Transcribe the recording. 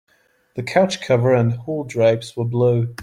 The couch cover and hall drapes were blue.